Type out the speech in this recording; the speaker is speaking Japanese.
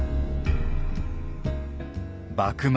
幕末